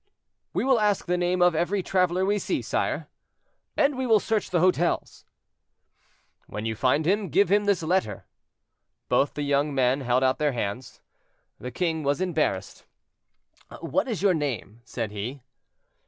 '" "We will ask the name of every traveler we see, sire." "And we will search the hotels." "When you find him, give him this letter." Both the young men held out their hands. The king was embarrassed. "What is your name?" said he.